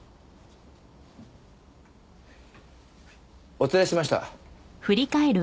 お連れしました。